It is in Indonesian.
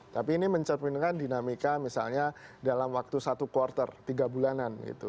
tapi ini mencerminkan dinamika misalnya dalam waktu satu quarter tiga bulanan gitu